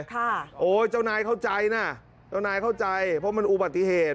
โอ้ยเจ้านายเข้าใจนะเจ้านายเข้าใจเพราะมันอุบัติเหตุ